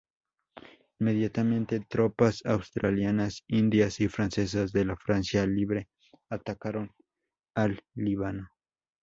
Inmediatamente tropas australianas, indias y francesas de la Francia Libre atacaron al Líbano.